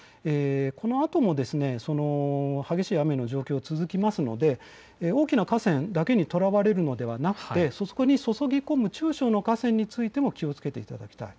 このあとも激しい雨の状況、続きますので大きな河川だけにとらわれるのではなくそこに注ぎ込む中小の河川についても警戒をしていただきたい。